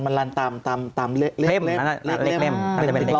มันลันตามเลขเล่มถ้าจะเป็นเลขเล่ม